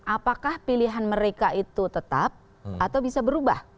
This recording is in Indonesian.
apakah pilihan mereka itu tetap atau bisa berubah